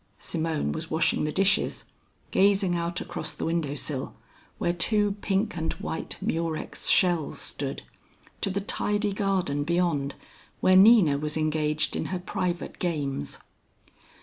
Simone was washing the dishes, gazing out across the windowsill where two pink and white Murex shells stood, to the tidy garden beyond where Nina was engaged in her private games.